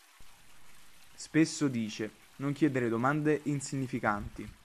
Spesso dice "Non chiedere domande insignificanti!